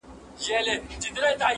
ته سینې څیره له پاسه د مرغانو؛